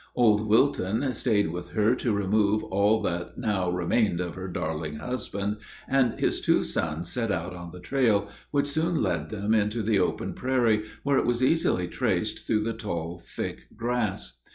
Old Wilton staid with her to remove all that now remained of her darling husband, and his two sons set out on the trail, which soon led them into the open prairie, where it was easily traced through the tall, thick grass.